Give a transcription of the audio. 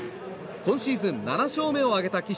今シーズン、７勝目を挙げた岸。